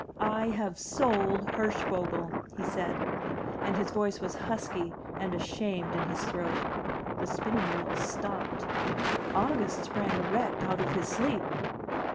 *1 have sold Hirschvogel," he said; and his voice was husky and ashamed in his throat. The spinning wheel stopped. August sprang erect out of his sleep.